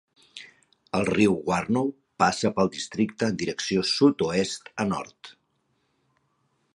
El riu Warnow passa pel districte en direcció sud-oest a nord.